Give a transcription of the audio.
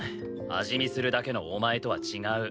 味見するだけのお前とは違う。